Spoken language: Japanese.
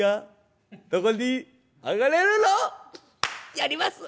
やります！